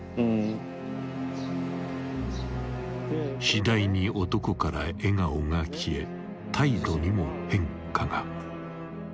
［次第に男から笑顔が消え態度にも変化が］